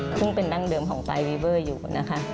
ซึ่งเป็นดั้งเดิมของปลายวีเวอร์อยู่นะคะ